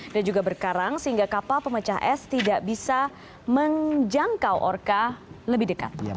dan juga berkarang sehingga kapal pemecah es tidak bisa menjangkau orka lebih dekat